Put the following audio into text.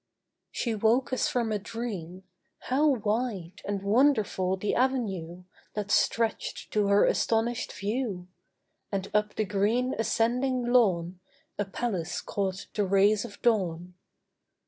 She woke as from a dream. How wide And wonderful the avenue That stretched to her astonished view! And up the green ascending lawn A palace caught the rays of dawn.